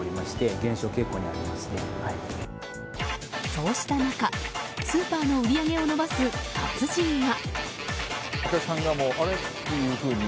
そうした中、スーパーの売り上げを伸ばす達人が！